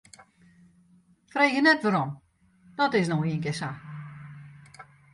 Freegje net wêrom, dat is no ienkear sa.